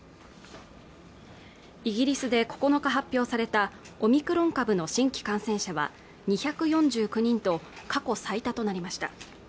イギリスで９日発表されたオミクロン株の新規感染者は２４９人と過去最多となりました